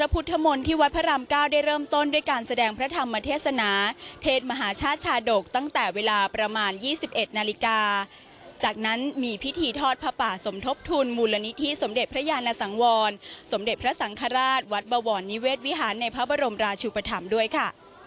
พุทธมนตร์ที่วัดพระราม๙ได้เริ่มต้นด้วยการแสดงพระธรรมเทศนาเทศมหาชาติชาดกตั้งแต่เวลาประมาณ๒๑นาฬิกาจากนั้นมีพิธีทอดพระป่าสมทบทุนมูลนิธิสมเด็จพระยานสังวรสมเด็จพระสังฆราชวัดบวรนิเวศวิหารในพระบรมราชุปธรรมด้วยค่ะ